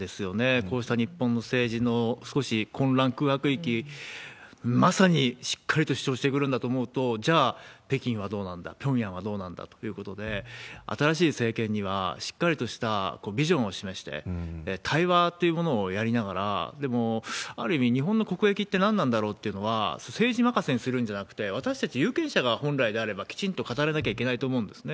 こうした日本の政治の少し混乱空白期、まさにしっかりと主張してくるんだと思うと、じゃあ北京はどうなんだ、ピョンヤンはどうなんだっていうことで、新しい政権にはしっかりとしたビジョンを示して、対話っていうものをやりながら、でも、ある意味、日本の国益って何なんだろうっていうのは、政治任せにするんじゃなくて、私たち有権者が本来であればきちんと語らなきゃいけないと思うんですね。